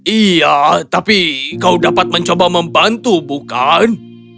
iya tapi kau dapat mencoba membantu bukan